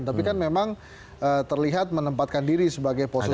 tapi kan memang terlihat menempatkan diri sebagai posisi